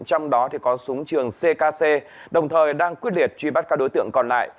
trong đó có súng trường ckc đồng thời đang quyết liệt truy bắt các đối tượng còn lại